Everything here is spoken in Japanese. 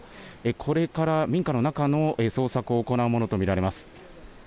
これから民家の中の捜索を行うものと見られます。